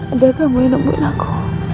ada kamu yang nemuin aku